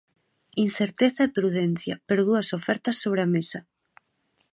Incerteza e prudencia, pero dúas ofertas sobre a mesa.